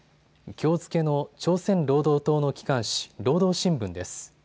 きょう付けの朝鮮労働党の機関紙、労働新聞です。